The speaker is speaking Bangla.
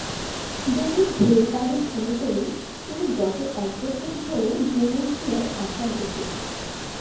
দৈনিক ভোরের কাগজ অনুযায়ী, তিনি গত এক বছর ধরে ডিমেনশিয়ায় আক্রান্ত ছিলেন।